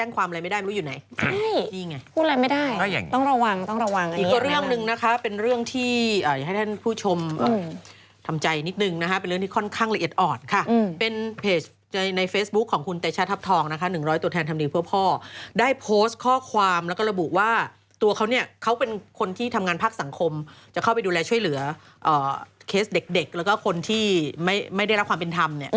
ใครที่หลอกไปขายอะไรงาน